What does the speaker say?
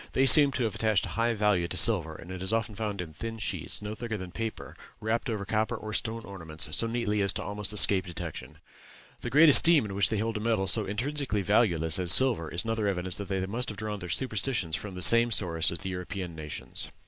They seem to have attached a high value to silver, and it is often found in thin sheets, no thicker than paper, wrapped over copper or stone ornaments so neatly as almost to escape detection. The great esteem in which they held a metal so intrinsically valueless as silver, is another evidence that they must have drawn their superstitions from the same source as the European nations.